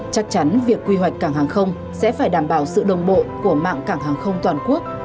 chắc chắn việc quy hoạch cảng hàng không sẽ phải đảm bảo sự đồng bộ của mạng cảng hàng không toàn quốc